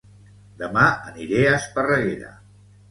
Dema aniré a Esparreguera